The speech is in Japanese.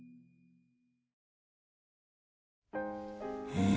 うん。